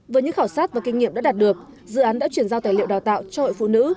với những khảo sát và kinh nghiệm đã đạt được dự án đã chuyển giao tài liệu đào tạo cho hội phụ nữ